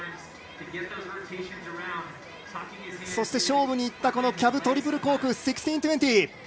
そして、勝負にいったキャブトリプルコーク１６２０。